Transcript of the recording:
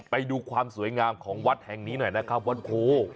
ไปดูความสวยงามของวัดแห่งนี้หน่อยนะครับวัดโพ